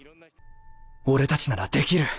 俺たちならできる。